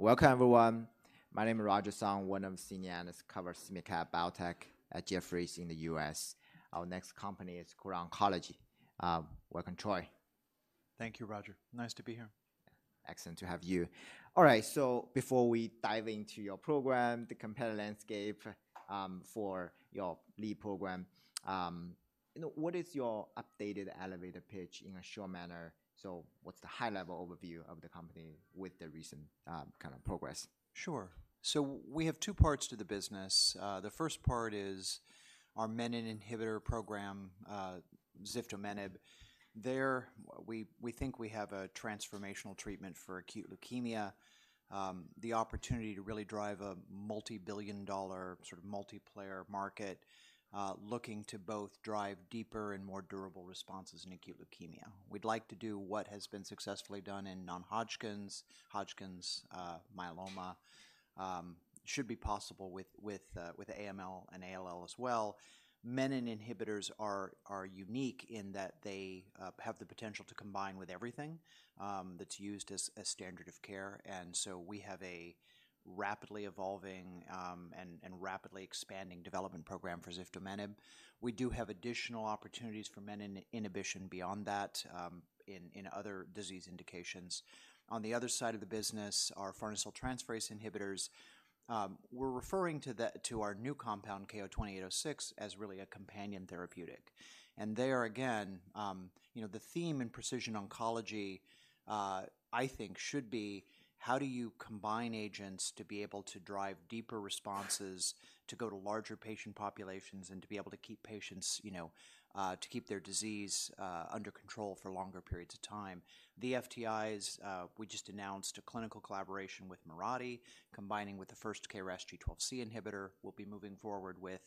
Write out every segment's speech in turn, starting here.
Hey, welcome everyone. My name is Roger Song, one of senior analysts covers mid-cap biotech at Jefferies in the U.S. Our next company is Kura Oncology. Welcome, Troy. Thank you, Roger. Nice to be here. Excellent to have you. All right, so before we dive into your program, the competitive landscape, for your lead program, you know, what is your updated elevator pitch in a short manner? So what's the high-level overview of the company with the recent, kind of progress? Sure. So we have two parts to the business. The first part is our menin inhibitor program, ziftomenib. There, we think we have a transformational treatment for acute leukemia. The opportunity to really drive a multi-billion dollar, sort of multiplayer market, looking to both drive deeper and more durable responses in acute leukemia. We'd like to do what has been successfully done in non-Hodgkin's, Hodgkin's, myeloma, should be possible with AML and ALL as well. Menin inhibitors are unique in that they have the potential to combine with everything, that's used as standard of care, and so we have a rapidly evolving, and rapidly expanding development program for ziftomenib. We do have additional opportunities for menin inhibition beyond that, in other disease indications. On the other side of the business, our farnesyltransferase inhibitors, we're referring to our new compound, KO-2806, as really a companion therapeutic. And there again, you know, the theme in precision oncology, I think should be: how do you combine agents to be able to drive deeper responses, to go to larger patient populations, and to be able to keep patients, you know, to keep their disease under control for longer periods of time? The FTIs, we just announced a clinical collaboration with Mirati, combining with the first KRAS G12C inhibitor. We'll be moving forward with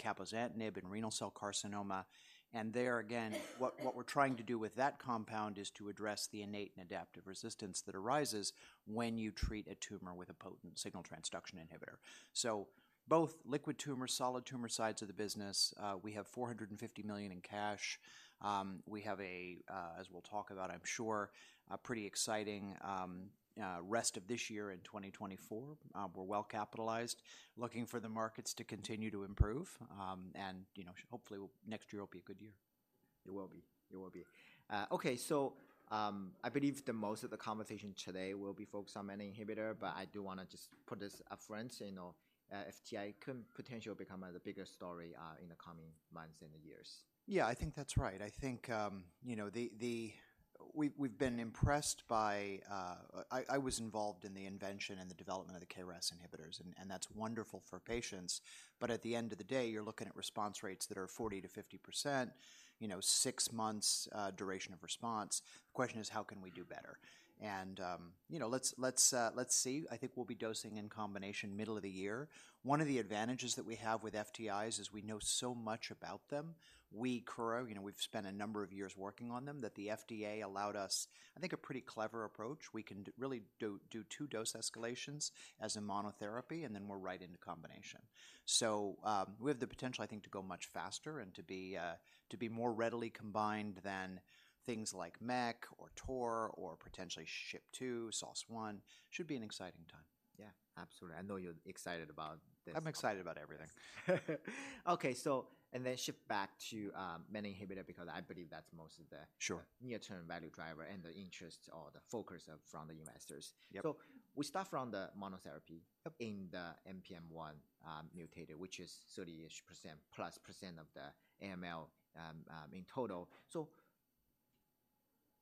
cabozantinib in renal cell carcinoma. And there again, what we're trying to do with that compound is to address the innate and adaptive resistance that arises when you treat a tumor with a potent signal transduction inhibitor. So both liquid tumor, solid tumor sides of the business, we have $450 million in cash. We have a, as we'll talk about, I'm sure, a pretty exciting rest of this year in 2024. We're well-capitalized, looking for the markets to continue to improve, and, you know, hopefully next year will be a good year. It will be. It will be. Okay, so, I believe that most of the conversation today will be focused on menin inhibitor, but I do want to just put this up front, you know, FTI could potentially become a bigger story, in the coming months and years. Yeah, I think that's right. I think, you know, we've been impressed by... I was involved in the invention and the development of the KRAS inhibitors, and that's wonderful for patients, but at the end of the day, you're looking at response rates that are 40%-50%, you know, 6 months, duration of response. The question is: how can we do better? And, you know, let's see. I think we'll be dosing in combination middle of the year. One of the advantages that we have with FTIs is we know so much about them. We, Kura, you know, we've spent a number of years working on them, that the FDA allowed us, I think, a pretty clever approach. We can do-- really do 2 dose escalations as a monotherapy, and then we're right into combination. So, we have the potential, I think, to go much faster and to be, to be more readily combined than things like MEK or TOR or potentially SHP2, SOS1. Should be an exciting time. Yeah, absolutely. I know you're excited about this. I'm excited about everything. Okay, so and then shift back to menin inhibitor because I believe that's most of the- Sure... near-term value driver and the interest or the focus from the investors. Yep. We start from the monotherapy- Yep in the NPM1 mutated, which is 30-ish % plus % of the AML in total.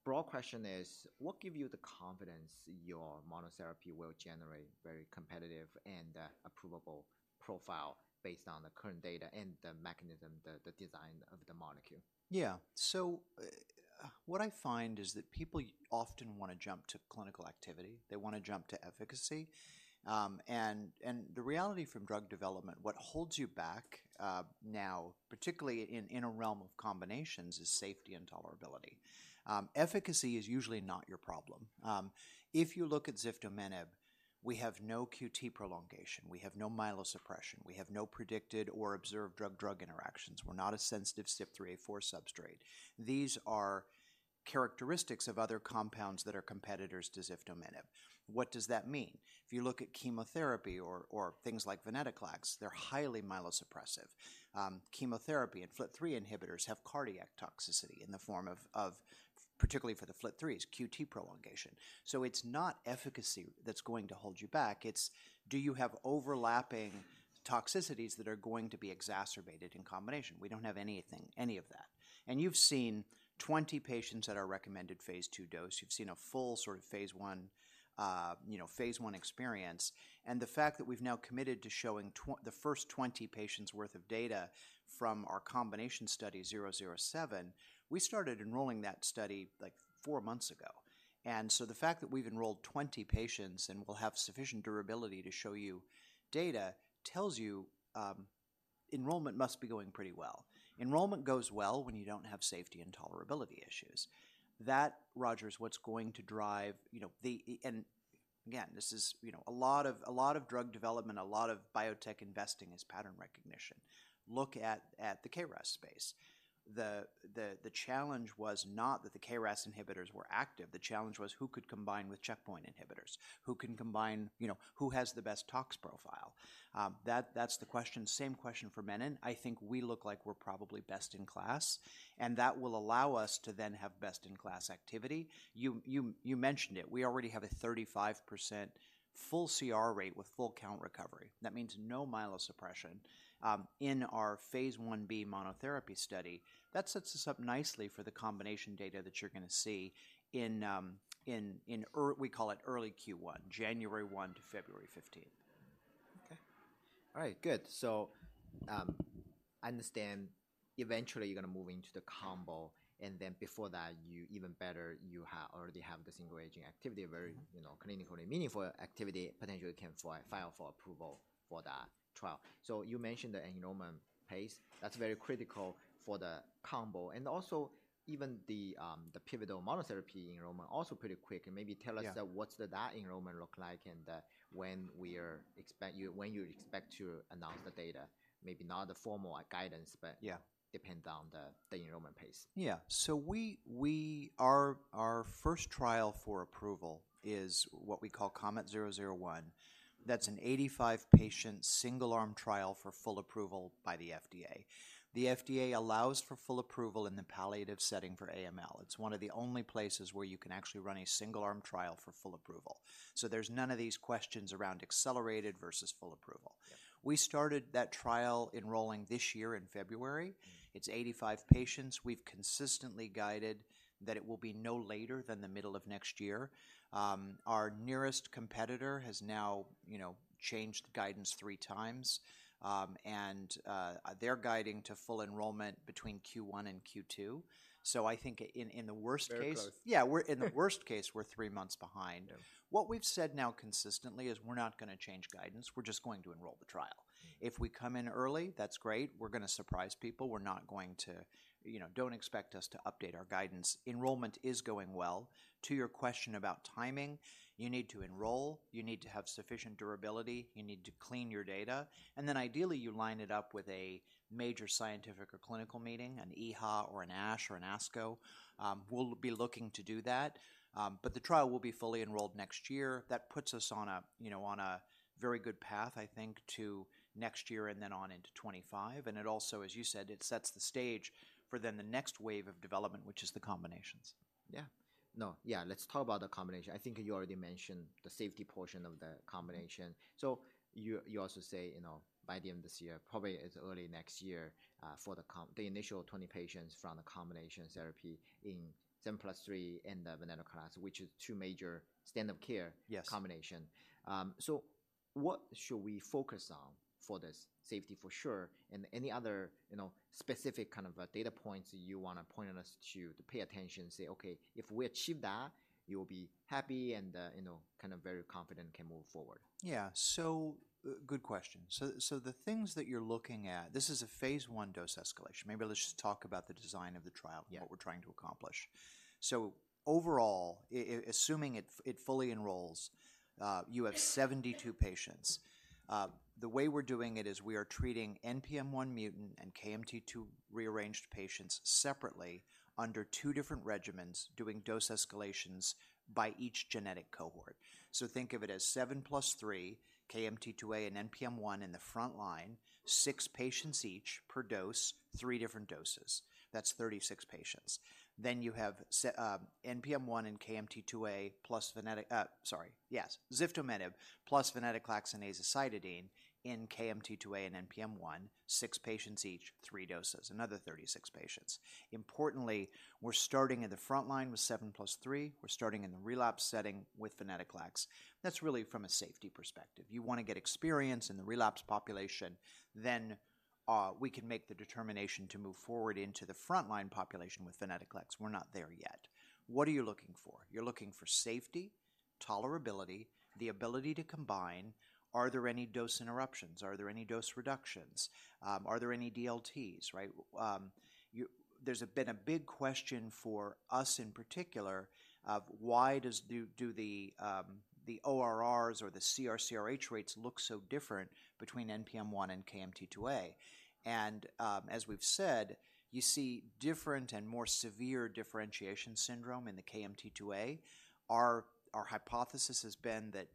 So broad question is, what give you the confidence your monotherapy will generate very competitive and approvable profile based on the current data and the mechanism, the design of the molecule? Yeah. So, what I find is that people often wanna jump to clinical activity. They want to jump to efficacy. And the reality from drug development, what holds you back, now, particularly in a realm of combinations, is safety and tolerability. Efficacy is usually not your problem. If you look at ziftomenib, we have no QT prolongation, we have no myelosuppression, we have no predicted or observed drug-drug interactions, we're not a sensitive CYP3A4 substrate. These are characteristics of other compounds that are competitors to ziftomenib. What does that mean? If you look at chemotherapy or things like venetoclax, they're highly myelosuppressive. Chemotherapy and FLT3 inhibitors have cardiac toxicity in the form of, particularly for the FLT3s, QT prolongation. So it's not efficacy that's going to hold you back, it's do you have overlapping toxicities that are going to be exacerbated in combination? We don't have anything, any of that. And you've seen 20 patients at our recommended phase 2 dose. You've seen a full sort of phase 1, you know, phase 1 experience. And the fact that we've now committed to showing the first 20 patients' worth of data from our combination study 007, we started enrolling that study, like, four months ago. And so the fact that we've enrolled 20 patients and we'll have sufficient durability to show you data, tells you enrollment must be going pretty well. Enrollment goes well when you don't have safety and tolerability issues. That, Roger, is what's going to drive, you know, Again, this is, you know, a lot of, a lot of drug development, a lot of biotech investing is pattern recognition. Look at the KRAS space. The challenge was not that the KRAS inhibitors were active, the challenge was who could combine with checkpoint inhibitors? Who can combine, you know, who has the best tox profile? That's the question. Same question for menin. I think we look like we're probably best in class, and that will allow us to then have best-in-class activity. You mentioned it: we already have a 35% full CR rate with full count recovery. That means no myelosuppression in our phase 1b monotherapy study. That sets us up nicely for the combination data that you're going to see in early Q1, January 1 to February 15. Okay. All right, good. So, I understand eventually you're going to move into the combo, and then before that, you even better, you already have the single-agent activity, very, you know, clinically meaningful activity, potentially can file for approval for that trial. So you mentioned the enrollment pace, that's very critical for the combo and also even the, the pivotal monotherapy enrollment also pretty quick. And maybe tell us- Yeah... what's that enrollment look like and, when you expect to announce the data? Maybe not the formal guidance, but- Yeah depend on the enrollment pace. Yeah. So our first trial for approval is what we call KOMET-001. That's an 85-patient, single-arm trial for full approval by the FDA. The FDA allows for full approval in the palliative setting for AML. It's one of the only places where you can actually run a single-arm trial for full approval. So there's none of these questions around accelerated versus full approval. Yeah. We started that trial enrolling this year in February. Mm-hmm. It's 85 patients. We've consistently guided that it will be no later than the middle of next year. Our nearest competitor has now, you know, changed guidance three times. And they're guiding to full enrollment between Q1 and Q2, so I think in the worst case- Very close. Yeah, we're in the worst case, we're three months behind. Yeah. What we've said now consistently is we're not going to change guidance, we're just going to enroll the trial. Mm-hmm. If we come in early, that's great, we're going to surprise people, we're not going to. You know, don't expect us to update our guidance. Enrollment is going well. To your question about timing, you need to enroll, you need to have sufficient durability, you need to clean your data, and then ideally, you line it up with a major scientific or clinical meeting, an EHA or an ASH or an ASCO. We'll be looking to do that, but the trial will be fully enrolled next year. That puts us on a, you know, on a very good path, I think, to next year and then on into 2025. And it also, as you said, it sets the stage for then the next wave of development, which is the combinations. Yeah. No, yeah, let's talk about the combination. I think you already mentioned the safety portion of the combination. So you also say, you know, by the end of this year, probably as early next year, for the combination the initial 20 patients from the combination therapy in 7+3 and the venetoclax, which is two major standard of care- Yes... combination. So what should we focus on for this? Safety, for sure, and any other, you know, specific kind of data points you wanna point us to, to pay attention, say, "Okay, if we achieve that, you will be happy and, you know, kind of very confident can move forward? Yeah. So, good question. So, the things that you're looking at, this is a phase 1 dose escalation. Maybe let's just talk about the design of the trial- Yeah... and what we're trying to accomplish. So overall, assuming it fully enrolls, you have 72 patients. The way we're doing it is we are treating NPM1-mutant and KMT2A-rearranged patients separately under two different regimens, doing dose escalations by each genetic cohort. So think of it as 7+3, KMT2A and NPM1 in the front line, six patients each per dose, three different doses. That's 36 patients. Then you have NPM1 and KMT2A, ziftomenib plus venetoclax and azacitidine in KMT2A and NPM1, six patients each, three doses, another 36 patients. Importantly, we're starting in the front line with 7+3. We're starting in the relapse setting with venetoclax. That's really from a safety perspective. You wanna get experience in the relapse population, then we can make the determination to move forward into the front-line population with venetoclax. We're not there yet. What are you looking for? You're looking for safety, tolerability, the ability to combine. Are there any dose interruptions? Are there any dose reductions? Are there any DLTs, right? There's been a big question for us in particular of why do the ORRs or the CR/CRh rates look so different between NPM1 and KMT2A? And as we've said, you see different and more severe differentiation syndrome in the KMT2A. Our hypothesis has been that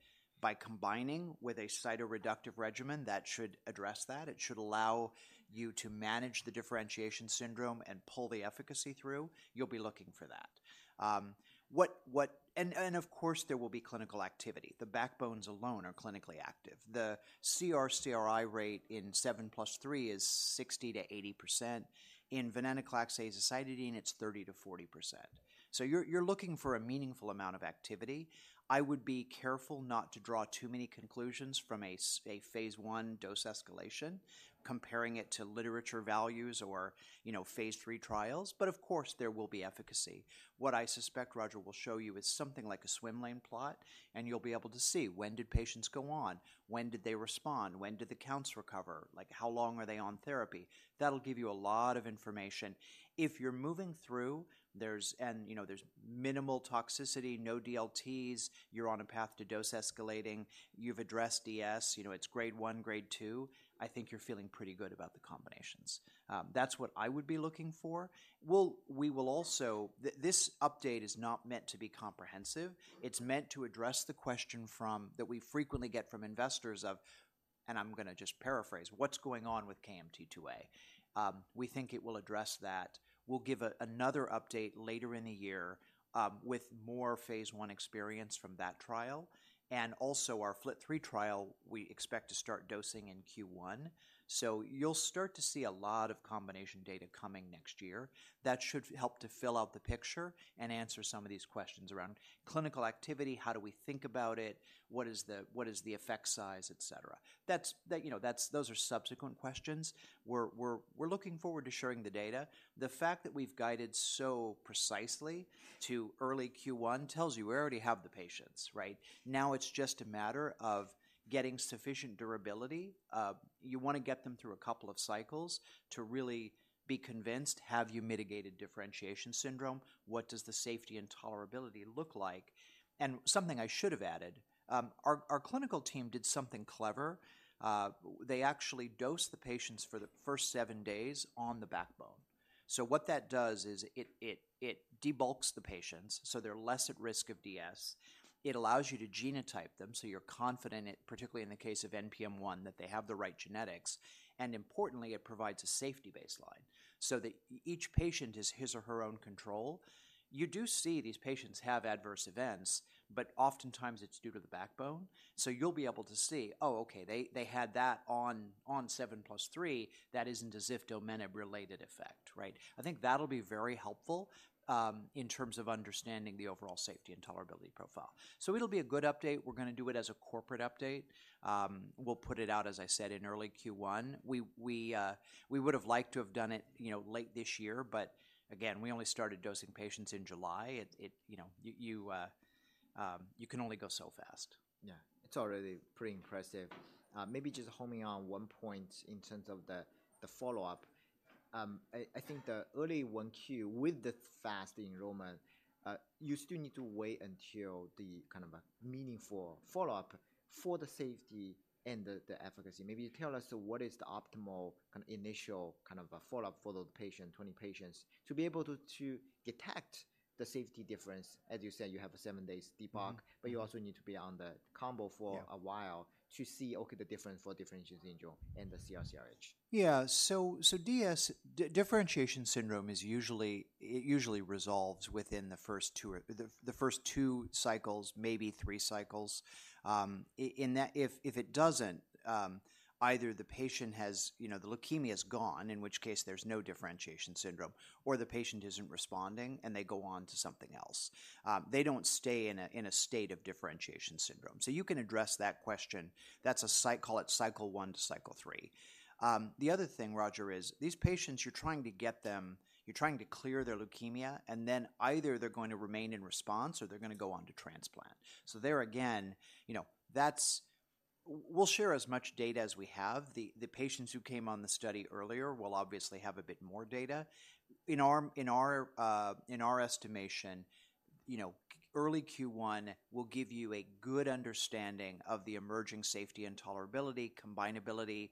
by combining with a cytoreductive regimen, that should address that. It should allow you to manage the differentiation syndrome and pull the efficacy through. You'll be looking for that. Of course, there will be clinical activity. The backbones alone are clinically active. The CR/CRi rate in 7+3 is 60%-80%. In venetoclax azacitidine, it's 30%-40%. So you're looking for a meaningful amount of activity. I would be careful not to draw too many conclusions from a phase I dose escalation, comparing it to literature values or, you know, phase III trials, but of course, there will be efficacy. What I suspect Roger will show you is something like a swim lane plot, and you'll be able to see, when did patients go on? When did they respond? When did the counts recover? Like, how long are they on therapy? That'll give you a lot of information. If you're moving through, you know, there's minimal toxicity, no DLTs, you're on a path to dose escalating, you've addressed DS, you know, it's Grade 1, Grade 2, I think you're feeling pretty good about the combinations. That's what I would be looking for. We will also this update is not meant to be comprehensive, it's meant to address the question that we frequently get from investors of, and I'm going to just paraphrase, "What's going on with KMT2A?" We think it will address that. We'll give another update later in the year, with more phase I experience from that trial, and also our FLT3 trial, we expect to start dosing in Q1. So you'll start to see a lot of combination data coming next year. That should help to fill out the picture and answer some of these questions around clinical activity, how do we think about it? What is the effect size, et cetera. That's, you know, that's—those are subsequent questions. We're looking forward to sharing the data. The fact that we've guided so precisely to early Q1 tells you we already have the patients, right? Now, it's just a matter of getting sufficient durability. You want to get them through a couple of cycles to really be convinced, have you mitigated differentiation syndrome? What does the safety and tolerability look like? And something I should have added, our clinical team did something clever. They actually dosed the patients for the first seven days on the backbone. So what that does is, it debulks the patients, so they're less at risk of DS. It allows you to genotype them, so you're confident, particularly in the case of NPM1, that they have the right genetics, and importantly, it provides a safety baseline so that each patient is his or her own control. You do see these patients have adverse events, but oftentimes it's due to the backbone. So you'll be able to see, "Oh, okay, they had that on 7+3. That isn't a ziftomenib-related effect," right? I think that'll be very helpful in terms of understanding the overall safety and tolerability profile. So it'll be a good update. We're going to do it as a corporate update. We'll put it out, as I said, in early Q1. We would've liked to have done it, you know, late this year, but again, we only started dosing patients in July. It, you know, you can only go so fast. Yeah. It's already pretty impressive. Maybe just homing on one point in terms of the follow-up. I think the early 1Q with the fast enrollment, you still need to wait until the kind of a meaningful follow-up for the safety and the efficacy. Maybe you tell us what is the optimal kind of initial, kind of a follow-up for the patient, 20 patients, to be able to, to detect the safety difference. As you said, you have a seven days debulk- Mm-hmm... but you also need to be on the combo for- Yeah a while to see, okay, the difference for differentiation syndrome and the CR/CRh. Yeah. So DS, differentiation syndrome is usually—it usually resolves within the first two cycles, maybe three cycles. In that, if it doesn't, either the patient has... You know, the leukemia is gone, in which case, there's no differentiation syndrome, or the patient isn't responding, and they go on to something else. They don't stay in a state of differentiation syndrome. So you can address that question. That's, call it Cycle 1 to Cycle 3. The other thing, Roger, is these patients, you're trying to get them—you're trying to clear their leukemia, and then either they're going to remain in response or they're going to go on to transplant. So there again, you know, that's—we'll share as much data as we have. The patients who came on the study earlier will obviously have a bit more data. In our estimation, you know, early Q1 will give you a good understanding of the emerging safety and tolerability, combinability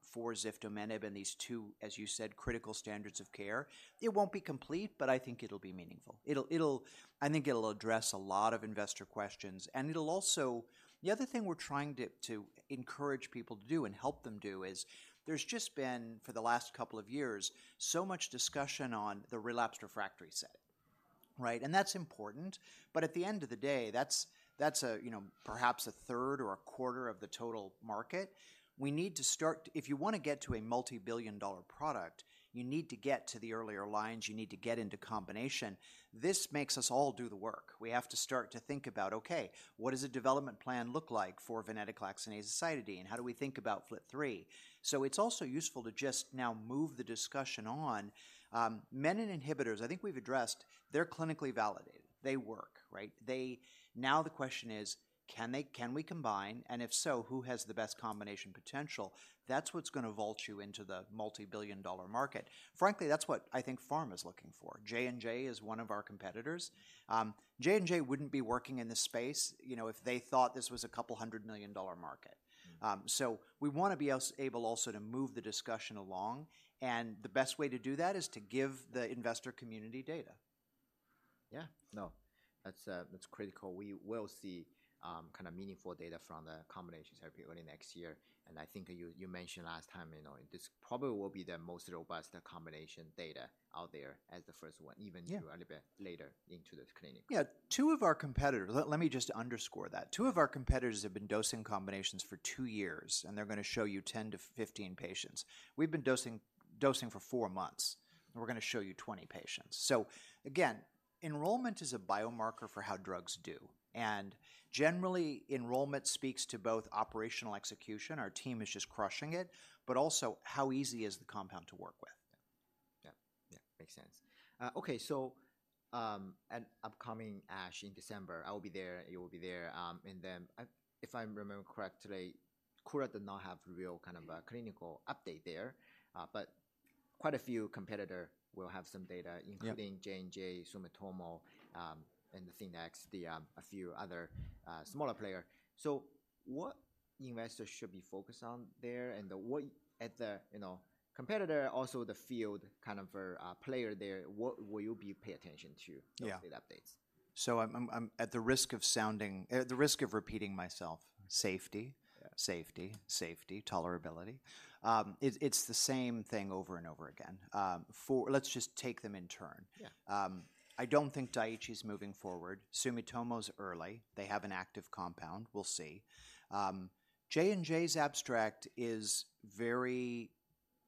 for ziftomenib and these two, as you said, critical standards of care. It won't be complete, but I think it'll be meaningful. It'll. I think it'll address a lot of investor questions, and it'll also. The other thing we're trying to encourage people to do and help them do is, there's just been, for the last couple of years, so much discussion on the relapsed refractory setting, right? And that's important, but at the end of the day, that's a, you know, perhaps a third or a quarter of the total market. We need to start. If you wanna get to a multi-billion-dollar product, you need to get to the earlier lines, you need to get into combination. This makes us all do the work. We have to start to think about, okay, what does a development plan look like for venetoclax and azacitidine? How do we think about FLT3? It's also useful to just now move the discussion on. Menin inhibitors, I think we've addressed, they're clinically validated. They work, right? Now the question is: Can we combine? And if so, who has the best combination potential? That's what's going to vault you into the multi-billion-dollar market. Frankly, that's what I think pharma is looking for. J&J is one of our competitors. J&J wouldn't be working in this space, you know, if they thought this was a couple hundred million-dollar market. Mm-hmm. So, we wanna be also able to move the discussion along, and the best way to do that is to give the investor community data. Yeah. No, that's critical. We will see kind of meaningful data from the combination therapy early next year, and I think you mentioned last time, you know, this probably will be the most robust combination data out there as the first one- Yeah... even a little bit later into the clinical. Yeah. Two of our competitors. Let me just underscore that. Two of our competitors have been dosing combinations for two years, and they're going to how you 10-15 patients. We've been dosing for four months, and we're going to show you 20 patients. So again, enrollment is a biomarker for how drugs do, and generally, enrollment speaks to both operational execution, our team is just crushing it, but also how easy is the compound to work with? Yeah. Yeah, makes sense. Okay, so, at upcoming ASH in December, I will be there, you will be there. And then, if I remember correctly, Kura does not have real kind of a clinical update there. But quite a few competitor will have some data- Yeah. - including J&J, Sumitomo, and the Syndax, a few other smaller players. So what investors should be focused on there, and what at the, you know, competitor, also the field kind of player there, what will you be pay attention to- Yeah. - update, updates? So I'm at the risk of sounding, the risk of repeating myself: safety- Yeah .safety, safety, tolerability. It's, it's the same thing over and over again. For— let's just take them in turn. Yeah. I don't think Daiichi's moving forward. Sumitomo's early. They have an active compound. We'll see. J&J's abstract is very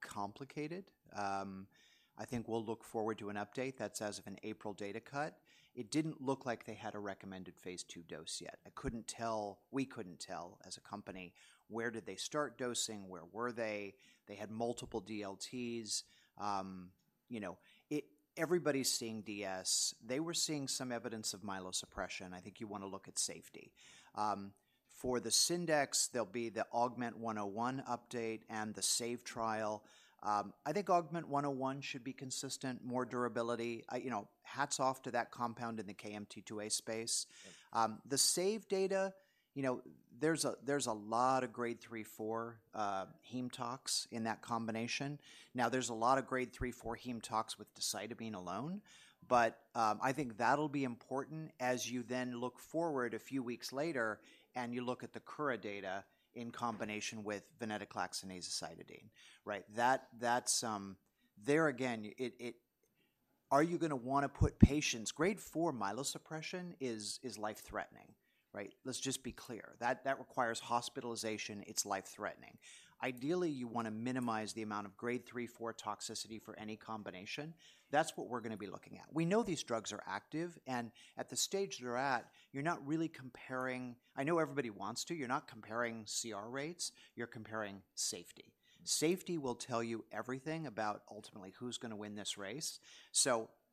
complicated. I think we'll look forward to an update. That's as of an April data cut. It didn't look like they had a recommended phase 2 dose yet. I couldn't tell, we couldn't tell, as a company, where did they start dosing? Where were they? They had multiple DLTs. You know, everybody's seeing DS. They were seeing some evidence of myelosuppression. I think you want to look at safety. For the Syndax, there'll be the Augment 101 update and the SAVE trial. I think Augment 101 should be consistent, more durability. You know, hats off to that compound in the KMT2A space. Yeah. The SAVE data, you know, there's a lot of Grade 3, 4 heme tox in that combination. Now, there's a lot of Grade 3, 4 heme tox with decitabine alone, but I think that'll be important as you then look forward a few weeks later, and you look at the Kura data in combination with venetoclax and azacitidine. Right, that's. There again, it-- are you going to want to put patients-- Grade 4 myelosuppression is life-threatening, right? Let's just be clear. That requires hospitalization. It's life-threatening. Ideally, you want to minimize the amount of Grade 3, 4 toxicity for any combination. That's what we're going to be looking at. We know these drugs are active, and at the stage they're at, you're not really comparing. I know everybody wants to, you're not comparing CR rates, you're comparing safety. Safety will tell you everything about ultimately who's going to win this race.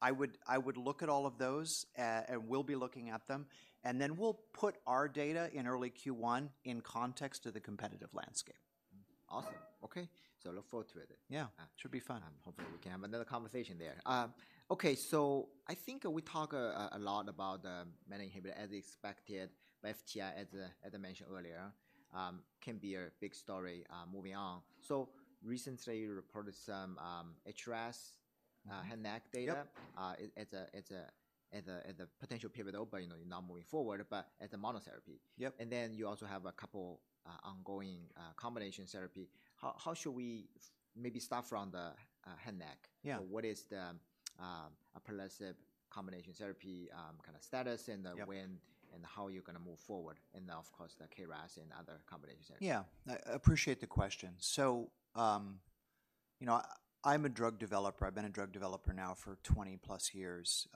I would, I would look at all of those, and we'll be looking at them, and then we'll put our data in early Q1 in context of the competitive landscape. Awesome. Okay, so look forward to it. Yeah. Uh. Should be fun. Hopefully, we can have another conversation there. Okay, I think we talk a lot about the menin inhibitor as expected, but FTI, as I mentioned earlier, can be a big story moving on. Recently, you reported some HRAS head and neck data. Yep. It's at the potential pivot, but, you know, you're not moving forward, but as a monotherapy. Yep. And then you also have a couple ongoing combination therapy. How should we maybe start from the head, neck? Yeah. What is the alpelisib combination therapy kind of status? Yep... and the when, and how you're going to move forward? And of course, the KRAS and other combination therapy. Yeah. I appreciate the question. So, you know, I'm a drug developer. I've been a drug developer now for +20 years.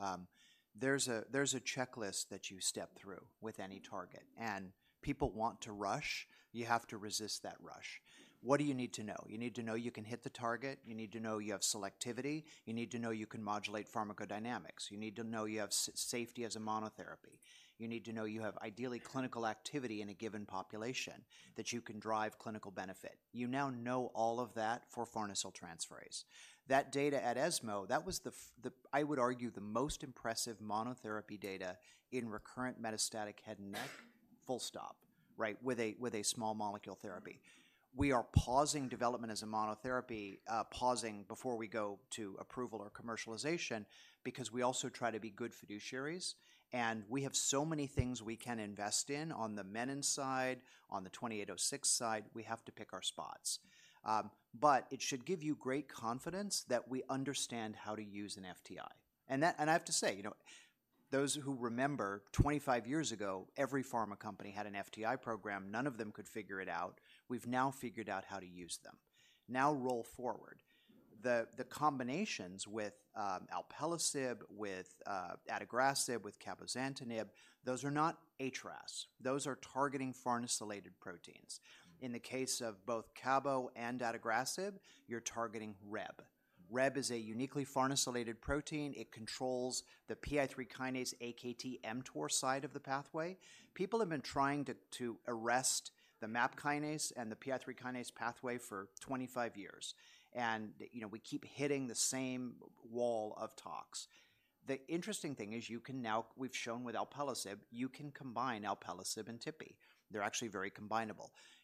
There's a checklist that you step through with any target, and people want to rush. You have to resist that rush. What do you need to know? You need to know you can hit the target, you need to know you have selectivity, you need to know you can modulate pharmacodynamics, you need to know you have safety as a monotherapy, you need to know you have, ideally, clinical activity in a given population, that you can drive clinical benefit. You now know all of that for farnesyltransferase. That data at ESMO, that was the, I would argue, the most impressive monotherapy data in recurrent metastatic head and neck, full stop, right? With a small molecule therapy. We are pausing development as a monotherapy, pausing before we go to approval or commercialization, because we also try to be good fiduciaries, and we have so many things we can invest in on the menin side, on the KO-2806 side, we have to pick our spots. But it should give you great confidence that we understand how to use an FTI. And that—and I have to say, you know, those who remember, 25 years ago, every pharma company had an FTI program. None of them could figure it out. We've now figured out how to use them. Now, roll forward. The combinations with alpelisib, with adagrasib, with cabozantinib, those are not HRAS. Those are targeting farnesylated proteins. In the case of both cabo and adagrasib, you're targeting Rheb. Rheb is a uniquely farnesylated protein. It controls the PI3 kinase, AKT, mTOR side of the pathway. People have been trying to arrest the MAP kinase and the PI3 kinase pathway for 25 years, and, you know, we keep hitting the same wall of toxicity. The interesting thing is, you can now. We've shown with alpelisib, you can combine alpelisib and tipi. They're actually very combinable. K-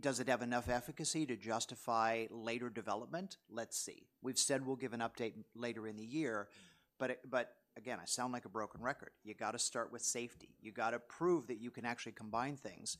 does it have enough efficacy to justify later development? Let's see. We've said we'll give an update later in the year, but it. But again, I sound like a broken record. You got to start with safety. You got to prove that you can actually combine things...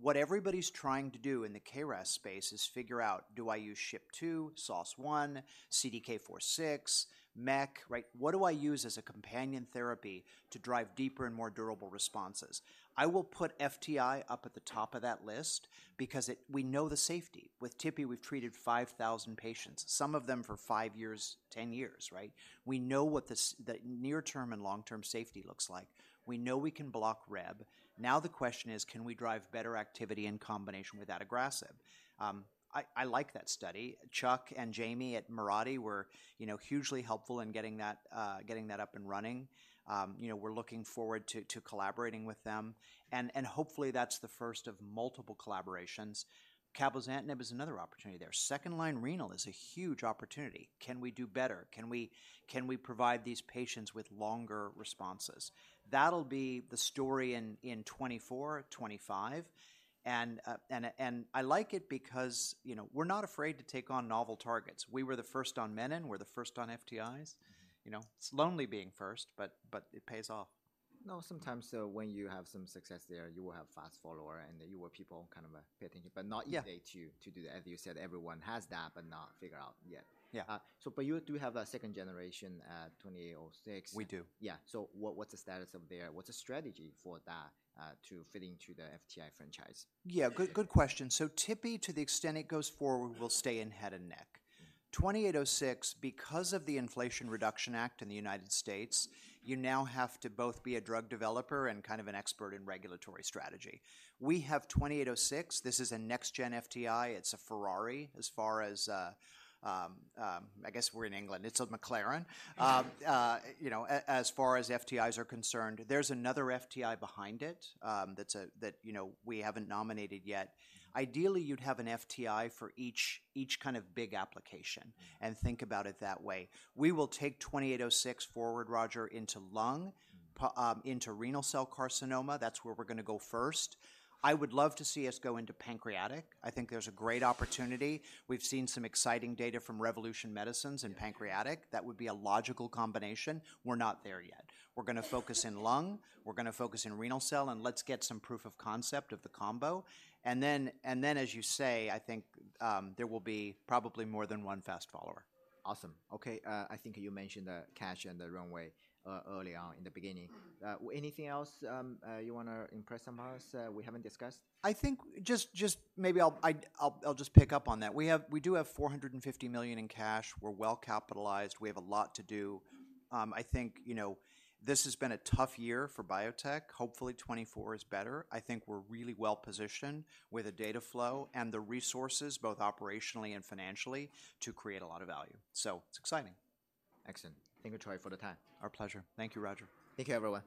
what everybody's trying to do in the KRAS space is figure out, do I use SHP2, SOS1, CDK4/6, MEK, right? What do I use as a companion therapy to drive deeper and more durable responses? I will put FTI up at the top of that list because it we know the safety. With Tipifarnib, we've treated 5,000 patients, some of them for five years, 10 years, right? We know what the the near-term and long-term safety looks like. We know we can block Rheb. Now, the question is, can we drive better activity in combination with that aggressive? I like that study. Chuck and Jamie at Mirati were, you know, hugely helpful in getting that, getting that up and running. You know, we're looking forward to, to collaborating with them, and, and hopefully that's the first of multiple collaborations. Cabozantinib is another opportunity there. Second-line renal is a huge opportunity. Can we do better? Can we, can we provide these patients with longer responses? That'll be the story in, in 2024, 2025. I like it because, you know, we're not afraid to take on novel targets. We were the first on menin, we're the first on FTIs. You know, it's lonely being first, but it pays off. No, sometimes, so when you have some success there, you will have fast follower, and you were people kind of fitting in. Yeah. But not easy to do that. As you said, everyone has that but not figure out yet. Yeah. So, but you do have a second generation, KO-2806? We do. Yeah. So what, what's the status of there? What's the strategy for that to fit into the FTI franchise? Yeah, good, good question. So Tipi, to the extent it goes forward, will stay in head and neck. 2806, because of the Inflation Reduction Act in the United States, you now have to both be a drug developer and kind of an expert in regulatory strategy. We have 2806. This is a next-gen FTI. It's a Ferrari as far as... I guess we're in England, it's a McLaren. You know, as far as FTIs are concerned, there's another FTI behind it, that's that you know, we haven't nominated yet. Ideally, you'd have an FTI for each, each kind of big application, and think about it that way. We will take 2806 forward, Roger, into lung, into renal cell carcinoma. That's where we're going to go first. I would love to see us go into pancreatic. I think there's a great opportunity. We've seen some exciting data from Revolution Medicines in pancreatic. That would be a logical combination. We're not there yet. We're going to focus in lung, we're going to focus in renal cell, and let's get some proof of concept of the combo. And then, as you say, I think, there will be probably more than one fast follower. Awesome. Okay, I think you mentioned the cash and the runway early on in the beginning. Anything else you want to impress on us we haven't discussed? I think just maybe I'll pick up on that. We do have $450 million in cash. We're well capitalized. We have a lot to do. I think, you know, this has been a tough year for biotech. Hopefully, 2024 is better. I think we're really well positioned with the data flow and the resources, both operationally and financially, to create a lot of value. So it's exciting. Excellent. Thank you, Troy, for the time. Our pleasure. Thank you, Roger. Thank you, everyone.